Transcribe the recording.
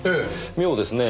妙ですねぇ。